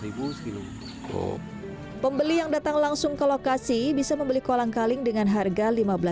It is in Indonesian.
lima belas ribu sekitar pembeli yang datang langsung ke lokasi bisa membeli kolang kaling dengan harga